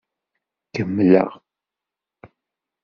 Kemmleɣ.